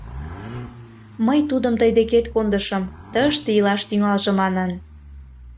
Мый тудым тый декет кондышым, тыште илаш тӱҥалже манын.